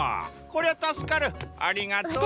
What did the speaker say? こりゃ助かるありがとう。